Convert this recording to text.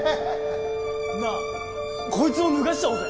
なあこいつも脱がしちゃおうぜ。